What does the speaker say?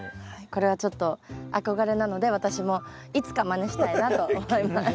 これはちょっと憧れなので私もいつかまねしたいなと思います。